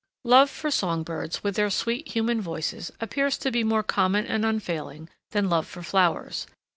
Love for song birds, with their sweet human voices, appears to be more common and unfailing than love for flowers.